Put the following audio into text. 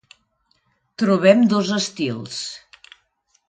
Trobem dos estils.